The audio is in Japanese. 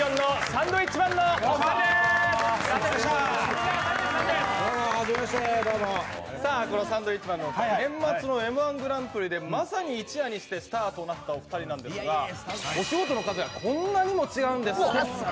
サンドウィッチマンのお二人、年末の「Ｍ−１グランプリ」でまさに一夜にしてスターとなったお二人なんですが、お仕事の数がこんなにも違うんです。